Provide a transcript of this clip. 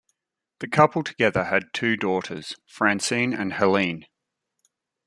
The couple together had two daughters, Francine and Helene.